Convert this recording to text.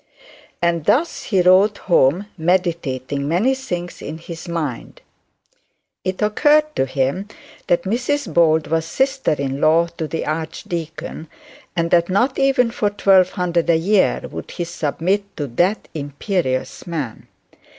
And thus he rode home, meditating the many things in his mind. It occurred to him that Mrs Bold was sister in law to the archdeacon; and that not even for twelve hundred a year would he submit to that imperious man.